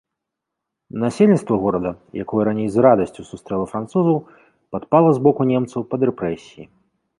Насельніцтва горада, якое раней з радасцю сустрэла французаў, падпала з боку немцаў пад рэпрэсіі.